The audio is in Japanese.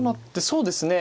そうですね。